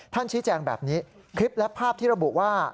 ชี้แจงแบบนี้คลิปและภาพที่ระบุว่า